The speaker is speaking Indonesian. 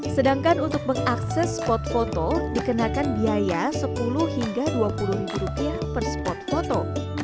sedangkan untuk mengakses spot foto dikenakan biaya rp sepuluh rp dua puluh per spot foto